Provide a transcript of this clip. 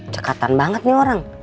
cekatan banget nih orang